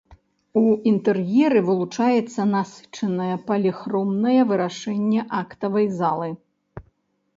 У інтэр'еры вылучаецца насычанае паліхромнае вырашэнне актавай залы.